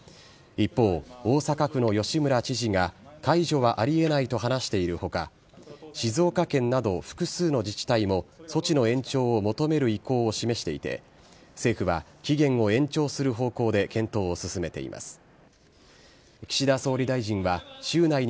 一方、大阪府の吉村知事が解除はありえないと話しているほか、静岡県など複数の自治体も措置の延長を求める意向を示していて、政府は期限を延長する方向で検討を進めています。